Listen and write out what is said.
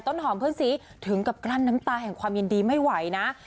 หอมเพื่อนซีถึงกับกลั้นน้ำตาแห่งความยินดีไม่ไหวนะ